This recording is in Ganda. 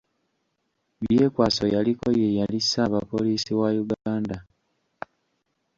Byekwaso yaliko ye yali ssaabapoliisi wa Uganda.